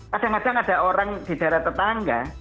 kadang kadang ada orang di daerah tetangga